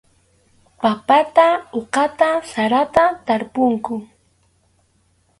Papata uqata sarata tarpunku.